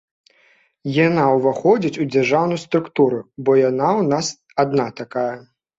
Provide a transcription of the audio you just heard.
Яна ўваходзіць ў дзяржаўныя структуры, бо яна ў нас адна такая.